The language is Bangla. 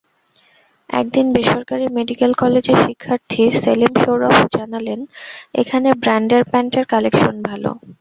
একটি বেসরকারি মেডিকেল কলেজের শিক্ষার্থী সেলিম সৌরভ জানালেন, এখানে ব্র্যান্ডের প্যান্টের কালেকশন ভালো।